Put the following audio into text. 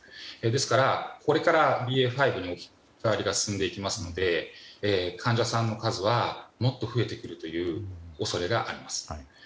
ですから、これからＢＡ．５に置き換わりが進んでいきますので患者さんの数はもっと増えてくる恐れがあります。